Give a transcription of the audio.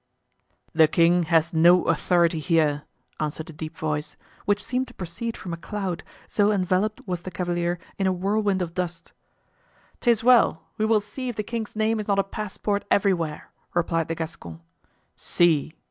"The king has no authority here!" answered a deep voice, which seemed to proceed from a cloud, so enveloped was the cavalier in a whirlwind of dust. "'Tis well, we will see if the king's name is not a passport everywhere," replied the Gascon. "See!"